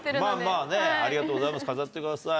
ありがとうございます飾ってください。